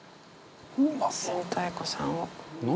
明太子さんを。